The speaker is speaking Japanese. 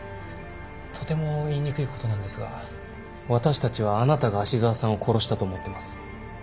とても言いにくいことなんですが私たちはあなたが芦沢さんを殺したと思ってます。